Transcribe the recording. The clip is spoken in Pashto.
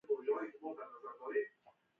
د نظام د څرنګوالي او ماهیت له امله مخ شوې.